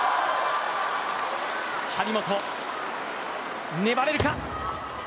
張本、粘れるか。